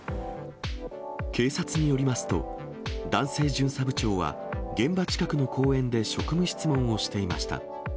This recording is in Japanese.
警察によりますと、男性巡査部長は現場近くの公園で職務質問をしていました。